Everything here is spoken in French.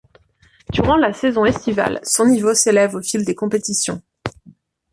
Durant la saison estivale, son niveau s'élève au fil des compétitions.